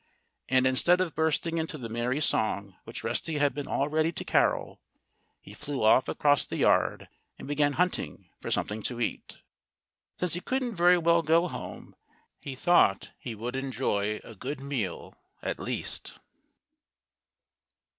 And instead of bursting into the merry song which Rusty had been all ready to carol, he flew off across the yard and began hunting for something to eat. Since he couldn't very well go home, he thought that he might as well enjoy a good meal, at least.